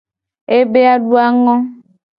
Ebe a adu a ngo.